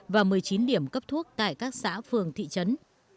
và một mươi chín điểm cấp thuốc tại các xã phường thị trấn